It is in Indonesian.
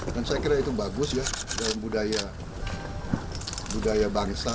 dan saya kira itu bagus ya dalam budaya bangsa